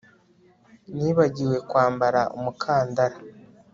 Nibagiwe kwambara umukandara